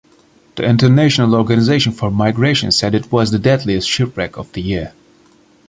The International Organization for Migration said it was the deadliest shipwreck of the year.